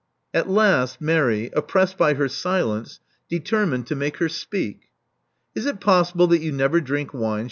At last Mary, oppressed by her silence, determined to make her speak. Is it possible that you never drink wine?"